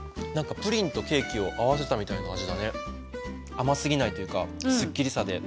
甘すぎないというかすっきりさで。